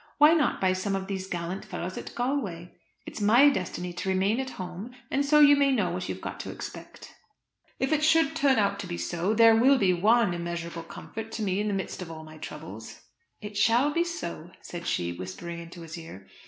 Why not by some of these gallant fellows at Galway? It's my destiny to remain at home; and so you may know what you have got to expect." "If it should turn out to be so, there will be one immeasurable comfort to me in the midst of all my troubles." "It shall be so," said she, whispering into his ear.